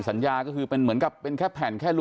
ไม่จำเป็นยกมือไหว้กรอบแล้วขอนะ